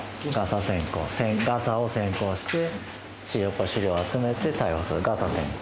ガサを先行して資料を集めて逮捕するガサ先行。